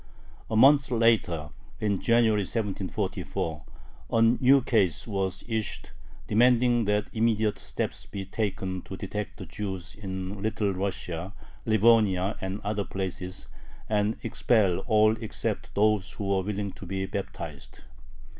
A month later, in January, 1744, an ukase was issued, demanding that immediate steps be taken to detect the Jews in Little Russia, Livonia, and other places, and expel all except those who were willing to be baptized.